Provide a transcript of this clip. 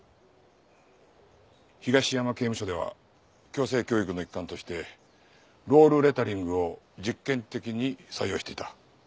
東山刑務所では矯正教育の一環としてロールレタリングを実験的に採用していた。